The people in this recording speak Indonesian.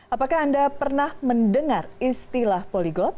apakah anda pernah mendengar istilah poligot